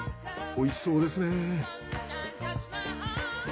おいしそうですね。